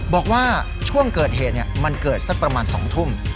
บอกว่าช่วงเกิดเหตุมันเกิดสักประมาณ๒ทุ่ม